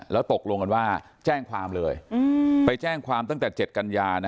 แล้วตกลงกันว่าแจ้งความเลยไปแจ้งความตั้งแต่๗กันยา